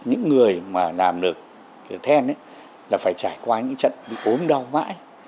những người mà làm được then là phải trải qua những trận bị ốm đau mãi